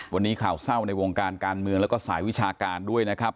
วันนี้ข่าวเศร้าในวงการการเมืองแล้วก็สายวิชาการด้วยนะครับ